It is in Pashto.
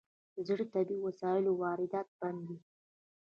د زړو طبي وسایلو واردات بند دي؟